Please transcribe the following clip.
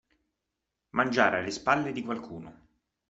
Mangiare alle spalle di qualcuno.